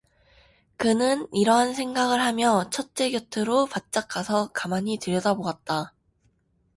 그는 이러한 생각을 하며 첫째 곁으로 바싹 가서 가만히 들여다보았다.